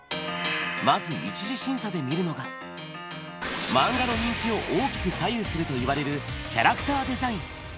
まず１次審査で見るのが、漫画の人気を大きく左右するといわれるキャラクターデザイン。